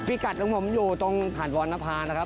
พี่กัดผมอยู่ตรงห่านวรนภาคนะครับ